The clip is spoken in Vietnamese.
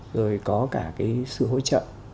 rồi có cả cái sự hỗ trợ